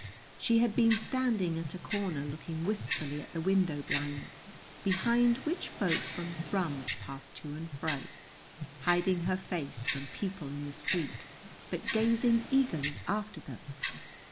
She had been standing at a corner looking wistfully at the window blinds behind which folk from Thrums passed to and fro, hiding her face from people in the street, but gazing eagerly after them.